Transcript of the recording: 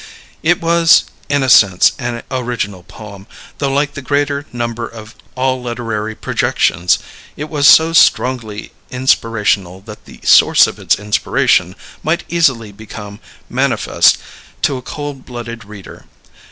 It was in a sense an original poem, though like the greater number of all literary projections, it was so strongly inspirational that the source of its inspiration might easily become manifest to a cold blooded reader.